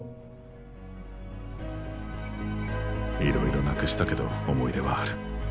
いろいろなくしたけど思い出はある。